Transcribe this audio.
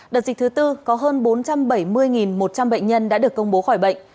đợt dịch thứ tư có hơn bốn trăm bảy mươi một trăm linh bệnh nhân đã được công bố khỏi bệnh